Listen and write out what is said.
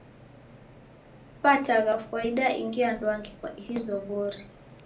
Sipatagha fwaida ingi anduangi kwa ihi zoghori.